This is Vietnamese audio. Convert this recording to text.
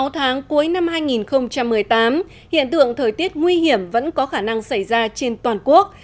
sáu tháng cuối năm hai nghìn một mươi tám hiện tượng thời tiết nguy hiểm vẫn có khả năng xảy ra trên toàn quốc